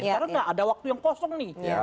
sekarang tidak ada waktu yang kosong nih